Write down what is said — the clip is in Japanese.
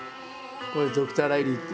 これドクター・ライリーっていう。